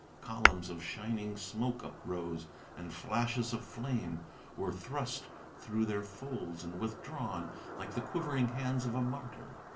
Columns of shining smoke uprose, and flashes of flame were Thrust through their folds and withdrawn, like the quivering hands of a martyr.